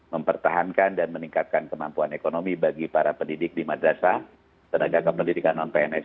mempertahankan dan meningkatkan kemampuan ekonomi bagi para pendidik di madrasah tenaga kependidikan non pns